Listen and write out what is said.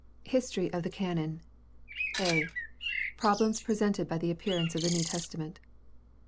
History of the Canon. — a) Problems presented by the appearance of the New Testament.